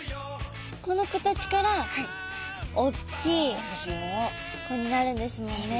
この子たちから大きい子になるんですもんね。